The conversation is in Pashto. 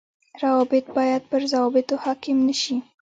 روابط باید پر ضوابطو حاڪم نشي